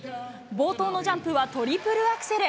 冒頭のジャンプはトリプルアクセル。